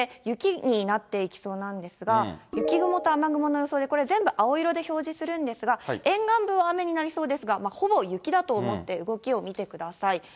雪になっていきそうなんですが、雪雲と雨雲の予想で、これ全部、青色で表示するんですが、沿岸部は雨になりそうですが、ほぼ雪だと思って動きを見てください。